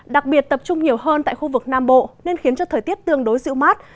đặc biệt tập trung nhiều hơn tại khu vực nam bộ nên khiến cho thời tiết tương đối dịu mát